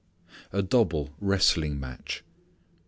A double Wrestling Match.